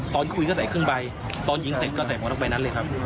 ตอนคุยก็เสียครึ่งใบตอนหญิงเสร็จก็เสียหมวงนอกใบนั้นเลยครับ